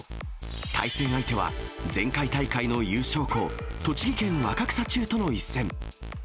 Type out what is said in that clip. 対戦相手は、前回大会の優勝校、栃木県若草中との一戦。